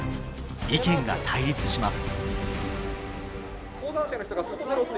意見が対立します。